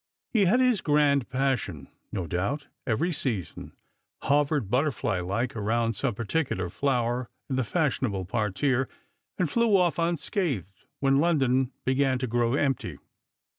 He had his grmcde 'passion, no doubt, every season — hovered butterfly like around some particular flower in the fashionable parterre, and flew off unscathed when London began to grow empty.